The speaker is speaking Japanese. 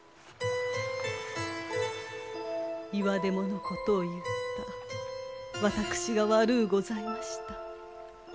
言わでものことを言った私が悪うございました。